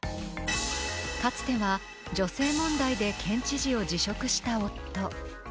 かつては女性問題で県知事を辞職した夫。